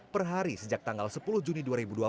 per hari sejak tanggal sepuluh juni dua ribu dua puluh